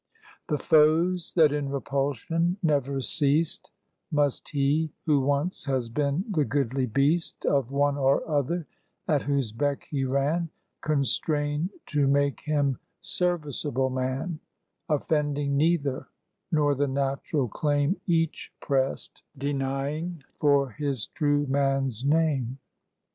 The foes that in repulsion never ceased, Must he, who once has been the goodly beast Of one or other, at whose beck he ran, Constrain to make him serviceable man; Offending neither, nor the natural claim Each pressed, denying, for his true man's name.